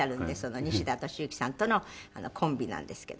西田敏行さんとのコンビなんですけど。